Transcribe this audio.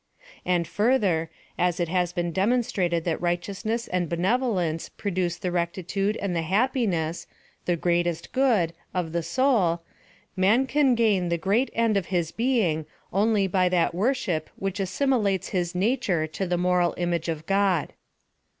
And further, as it has been demonstrated thai righteousness and benevolence produce' the recti tude and the happiness — the greatest good— of the soul, man can gain the great end of his being only by that worship which assimilates his nature to the moral image of God.